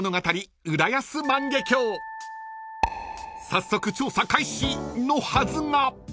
［早速調査開始のはずが］